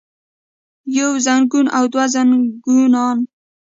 يو زنګون او دوه زنګونان